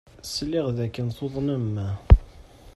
Sliɣ dakken tuḍnem.